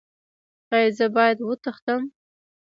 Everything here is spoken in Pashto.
ایا زه باید وتښتم؟